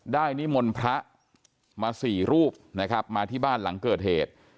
นิมนต์พระมาสี่รูปนะครับมาที่บ้านหลังเกิดเหตุ